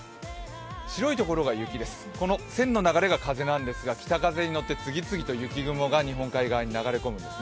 白いところが雪です線の流れが風なんですが、北風に乗って次々に雪が日本海側に吹き込みます。